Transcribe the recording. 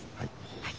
はい。